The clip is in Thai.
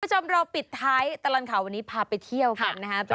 ประจำรอปิดท้ายตลังข่าววันนี้พาไปเที่ยวกันนะครับ